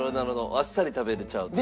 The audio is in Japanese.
あっさり食べられちゃうという。